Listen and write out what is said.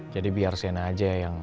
jadi biar sienna aja yang